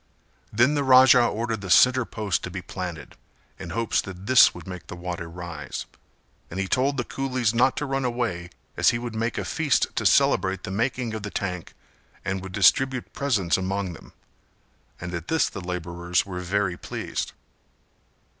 Then the Raja ordered the centre post to be planted in hopes that this would make the water rise; and he told the coolies not to run away as he would make a feast to celebrate the making of the tank and would distribute presents among them, and at this the labourers were very pleased.